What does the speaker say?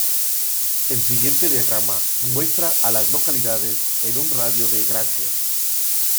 El siguiente diagrama muestra a las localidades en un radio de de Granger.